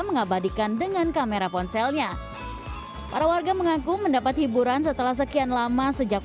mengabadikan dengan kamera ponselnya para warga mengaku mendapat hiburan setelah sekian lama sejak